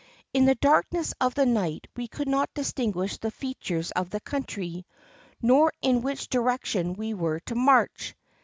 In the darkness of the night we could not distinguish the features of the country, nor in which direction we were to march.